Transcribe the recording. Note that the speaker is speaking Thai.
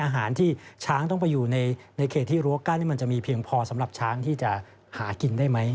อาหารที่ช้างต้องไปอยู่ในเขตที่รั้วกั้นนี่มันจะมีเพียงพอสำหรับช้างที่จะหากินได้ไหม